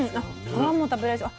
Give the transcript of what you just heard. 皮も食べられそう。